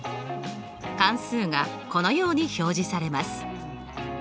関数がこのように表示されます。